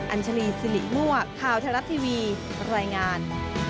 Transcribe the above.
อัญชลีสิริมั่วข่าวไทยรัฐทีวีรายงาน